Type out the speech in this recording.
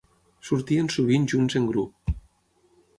Sortien sovint junts en grup.